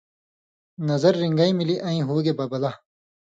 نظر رِنٚگئیں مِلی ائیں ہو گے ببلہ